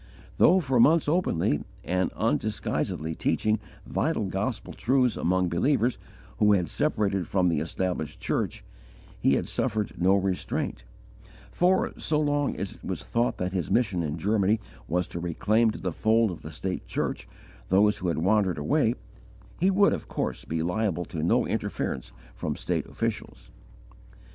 Though for months openly and undisguisedly teaching vital gospel truths among believers who had separated from the established church, he had suffered no restraint, for, so long as it was thought that his mission in Germany was to reclaim to the fold of the state church those who had wandered away, he would of course be liable to no interference from state officials.